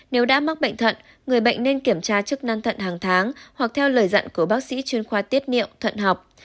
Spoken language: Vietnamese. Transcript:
nếu đã mắc bệnh thận người bệnh nên kiểm tra chức năng thận hàng tháng hoặc theo lời dặn của bác sĩ chuyên khoa tiết niệm thuận học